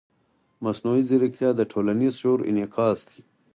مصنوعي ځیرکتیا د ټولنیز شعور انعکاس دی.